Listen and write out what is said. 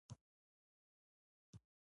په برابرولو کې مرسته وکړي.